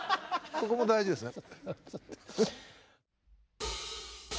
ここも大事ですね。